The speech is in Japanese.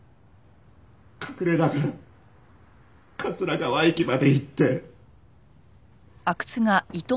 隠れながら桂川駅まで行って。